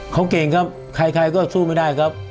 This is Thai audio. เขาเก่งครับใครก็สู้ไม่ได้ครับ